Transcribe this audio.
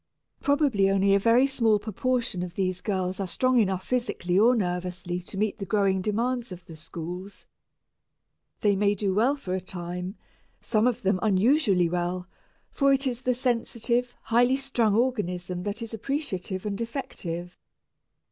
Probably only a very small proportion of these girls are strong enough physically or nervously to meet the growing demands of the schools. They may do well for a time, some of them unusually well, for it is the sensitive, high strung organism that is appreciative and effective.